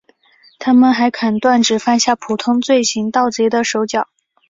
他们还砍断只犯下普通罪行的盗贼的手脚。